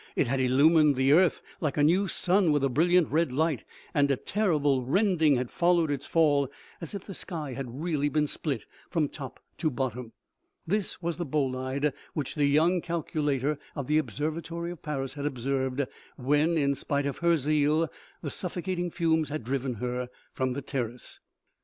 It had illumined the earth like a new sun with a brilliant red light, and a terrible rending had followed its fall, as if the sky had really been split from top to bottom. (This was the bolide which the young calculator of the ob servatory of Paris had observed when, in spite of her zeal, the suffocating fumes had driven her from the terrace.)